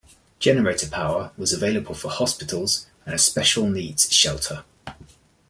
Generator power was available for hospitals and a special needs shelter.